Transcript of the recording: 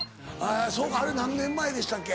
そうかあれ何年前でしたっけ？